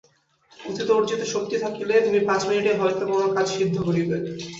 অতীতের অর্জিত শক্তি থাকিলে তুমি পাঁচ মিনিটেই হয়তো কোন কাজ সিদ্ধ করিবে।